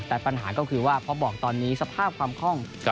แต่ปัญหาก็คือว่าพอบอกตอนนี้สภาพความคล่อง